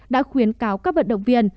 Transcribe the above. đã khuyến cáo các vận động viên